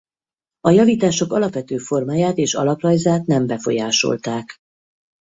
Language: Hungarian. A javítások alapvető formáját és alaprajzát nem befolyásolták.